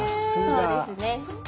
そうですね。